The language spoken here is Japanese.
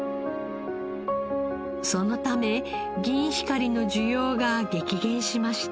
そのためギンヒカリの需要が激減しました。